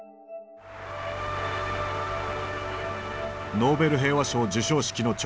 ノーベル平和賞授賞式の直前